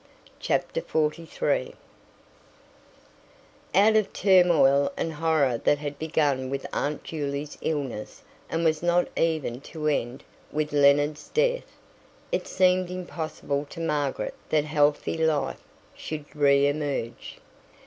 Chapter 43 Out of the turmoil and horror that had begun with Aunt Juley's illness and was not even to end with Leonard's death, it seemed impossible to Margaret that healthy life should re emerge.